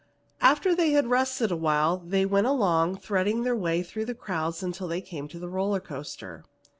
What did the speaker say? After they had rested awhile they went along, threading their way through the crowds until they came to the roller coaster.